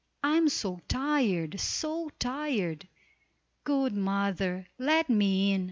I am so tired! so tired! Good mother, let me in!"